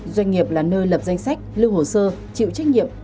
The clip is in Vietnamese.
doanh nghiệp là nơi lập danh sách lưu hồ sơ chịu trách nhiệm